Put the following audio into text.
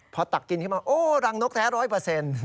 พอตักกินขึ้นมาโอ้รังนกแท้ร้อยเปอร์เซ็นต์